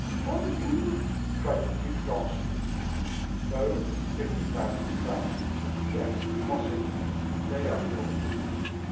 "For me?" cried the Duc d'Anjou. "Those fifty thousand crowns; yes, monseigneur, they are yours."